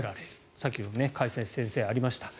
さっき解説、先生、ありました。